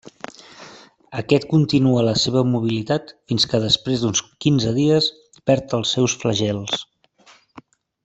Aquest continua la seva mobilitat fins que després d'uns quinze dies perd els seus flagels.